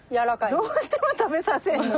どうしても食べさせんの？